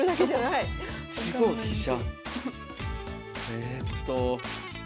えっと。